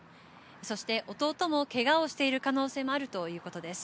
そして、弟もけがをしている可能性もあるということです。